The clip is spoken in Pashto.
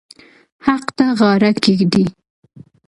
حق ته غاړه کېږدئ.